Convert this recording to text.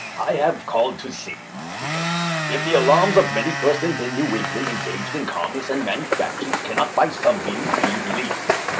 " I have called to see," he said, " if the alarms of many persons in New England engaged in com merce and manufactures cannot by some means be relieved.